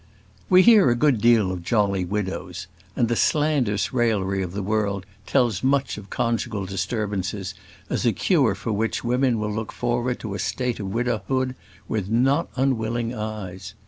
We hear a good deal of jolly widows; and the slanderous raillery of the world tells much of conjugal disturbances as a cure for which women will look forward to a state of widowhood with not unwilling eyes.